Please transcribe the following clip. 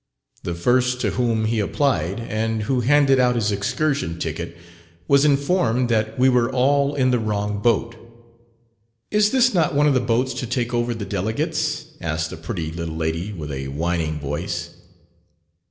The first to whom he applied, and who handed out his "Excursion Ticket," was informed that we were all in the wrong boat. "Is this not one of the boats to take over the delegates?" asked a pretty little lady, with a whining voice.